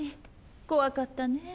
怖かったねぇ。